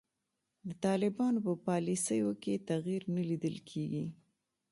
د طالبانو په پالیسیو کې تغیر نه لیدل کیږي.